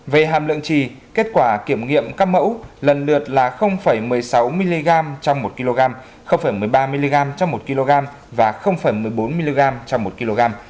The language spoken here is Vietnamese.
về hàm lượng trì kết quả kiểm nghiệm các mẫu lần lượt là một mươi sáu mg trong một kg một mươi ba mg trong một kg và một mươi bốn mg trong một kg